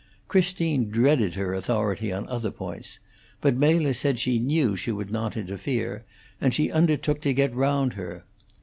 Christine dreaded her authority on other points, but Mela said she knew she would not interfere, and she undertook to get round her.